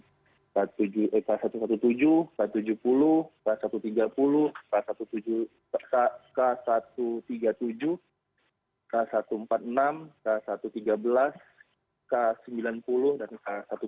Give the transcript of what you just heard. k satu ratus tujuh belas k tujuh puluh k satu ratus tiga puluh pasal tujuh k satu ratus tiga puluh tujuh k satu ratus empat puluh enam k satu ratus tiga belas k sembilan puluh dan k satu ratus tujuh puluh